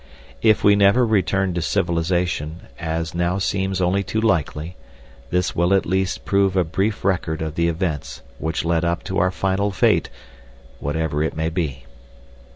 If we never return to civilization, as now seems only too likely, this will at least prove a brief record of the events which led up to our final fate, whatever it may be.